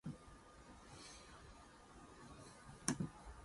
The ditch was extremely vulnerable to bombardment with explosive shells.